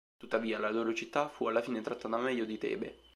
Tuttavia la loro città fu alla fine trattata meglio di Tebe.